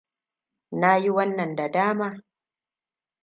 Na yi wannan da dama.